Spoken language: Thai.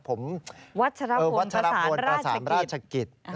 ผมวัชยศพลประสานราชกิจวัชยศพล